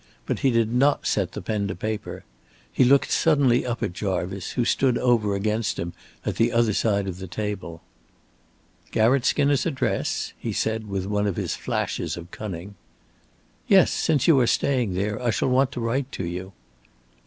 But he did not set the pen to the paper. He looked suddenly up at Jarvice, who stood over against him at the other side of the table. "Garratt Skinner's address?" he said, with one of his flashes of cunning. "Yes, since you are staying there. I shall want to write to you."